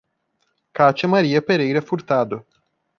Catia Maria Pereira Furtado